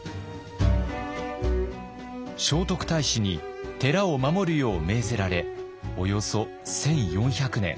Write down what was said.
聖徳太子に寺を守るよう命ぜられおよそ１，４００年。